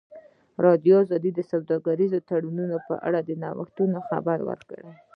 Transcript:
ازادي راډیو د سوداګریز تړونونه په اړه د نوښتونو خبر ورکړی.